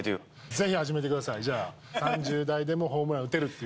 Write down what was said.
ぜひ始めてください、じゃあ、３０代でもホームランが打てるという。